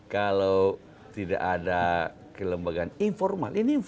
kalau tidak ada kelembagaan informal